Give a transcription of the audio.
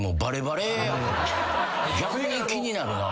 逆に気になるな。